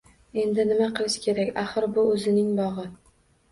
Endi nima qilish kerak? Axir bu – o‘zining bog‘i